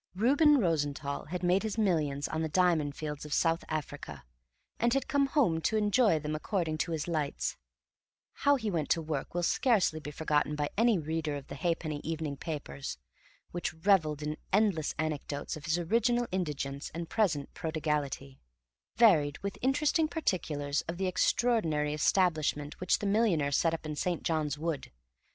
Reuben Rosenthall had made his millions on the diamond fields of South Africa, and had come home to enjoy them according to his lights; how he went to work will scarcely be forgotten by any reader of the halfpenny evening papers, which revelled in endless anecdotes of his original indigence and present prodigality, varied with interesting particulars of the extraordinary establishment which the millionaire set up in St. John's Wood.